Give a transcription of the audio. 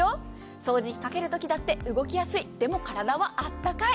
掃除機をかけるときだって動きやすいでも体はあったかい。